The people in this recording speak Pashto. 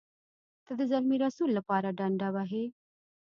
ته د زلمي رسول لپاره ډنډه وهې.